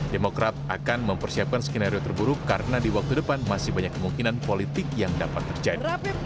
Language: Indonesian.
demokrat akan mempersiapkan skenario terburuk karena di waktu depan masih banyak kemungkinan politik yang dapat terjadi